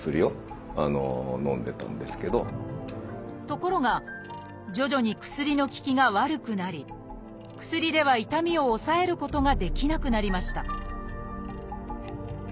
ところが徐々に薬の効きが悪くなり薬では痛みを抑えることができなくなりました